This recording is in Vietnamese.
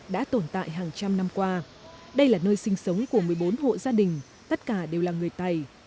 đã tồn tại hàng trăm năm qua đây là nơi sinh sống của một mươi bốn hộ gia đình tất cả đều là người tày